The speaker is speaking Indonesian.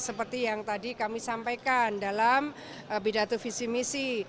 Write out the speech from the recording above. seperti yang tadi kami sampaikan dalam pidato visi misi